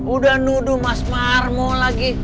udah nuduh mas marmo lagi